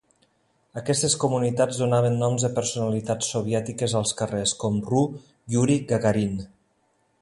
Aquestes comunitats donaven noms de personalitats soviètiques als carrers, com "rue Youri Gagarine".